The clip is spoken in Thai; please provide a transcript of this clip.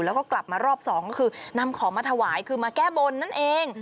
แล้วก็กลับมารอบสองก็คือนำของมาถวายคือมาแก้บนนั่นเอง